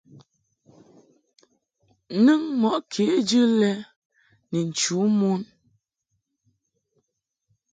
Nɨŋ mɔʼ kejɨ lɛ ni nchu mon.